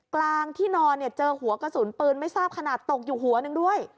กลางที่นอนเนี่ยเจอหัวกระสุนปืนไม่ทราบขนาดตกอยู่หัวนึงด้วย